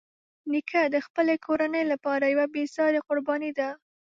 نیکه د خپلې کورنۍ لپاره یوه بېساري قرباني ده.